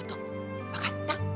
わかった？